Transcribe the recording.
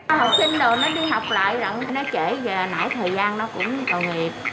học sinh rồi nó đi học lại nó trễ giờ nãy thời gian nó cũng tội nghiệp